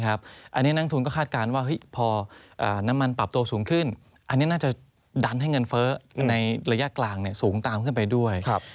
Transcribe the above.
อันนี้น่าจะดันให้เงินเฟ้อในระยะกลางสูงตามขึ้นไปด้วย